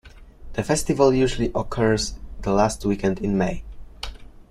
The festival usually occurs the last weekend in May.